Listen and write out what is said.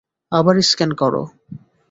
আবার স্ক্যান করো।